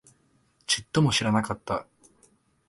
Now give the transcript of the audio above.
ちっとも知らなかった